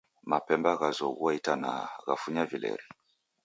Mapemba ghazoghua itanaha, ghafunya vileri